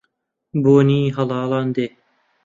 بۆنی هەڵاڵان دێ